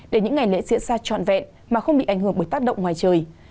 để những ngày lễ diễn ra trọn vẹn mà không bị ảnh hưởng bởi tác động ngoài trời